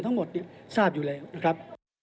ทั้งหมดทราบอยู่แล้วนะครับ